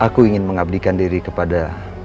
aku ingin mengabdikan diri kepada